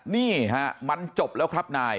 นี่ฮะมันจบแล้วครับนาย